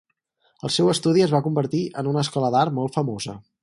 El seu estudi es va convertir en una escola d'art molt famosa.